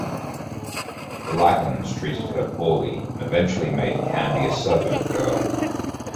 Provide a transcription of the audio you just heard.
The Lagans treated her poorly and eventually made Candy a servant girl.